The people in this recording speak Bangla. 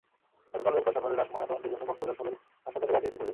গতকাল রোববার সকালে লাশ ময়নাতদন্তের জন্য কক্সবাজার সদর হাসপাতালে পাঠিয়েছে পুলিশ।